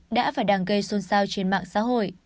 đã và đang gây xôn xao trên mạng xã hội